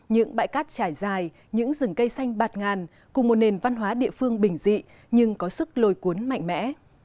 những bãi cát trải dài những rừng cây xanh bạt ngàn cùng một nền văn hóa địa phương bình dị nhưng có sức lôi cuốn mạnh mẽ